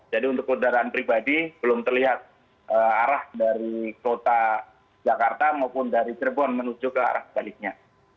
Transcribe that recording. jadi untuk kendaraan pribadi belum terlihat arah dari kota jakarta maupun dari cirebon menuju ke arah baliknya